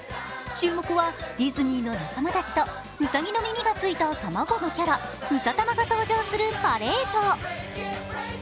注目はディズニーの仲間たちとうさぎの耳がついたたまごのキャラ、うさたまが登場するパレード。